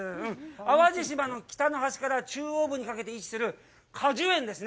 淡路島の北の端から中央部にかけて位置する果樹園ですね。